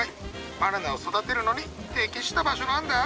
バナナを育てるのに適した場所なんだ！